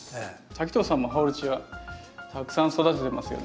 滝藤さんもハオルチアたくさん育ててますよね？